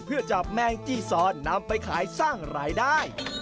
เพื่อจับแมงจี้ซอนนำไปขายสร้างรายได้